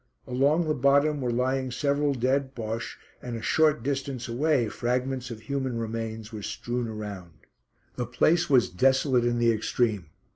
Along the bottom were lying several dead Bosches, and a short distance away fragments of human remains were strewn around. The place was desolate in the extreme.